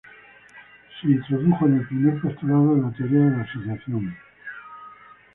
Es introducido en el primer postulado de la teoría de la asociación.